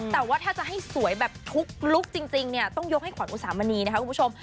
แต่ว่าถ้าจะให้สวยแบบทุกลุคจริงเนี่ยต้องยกให้ขวัญอุสามณีนะคะคุณผู้ชม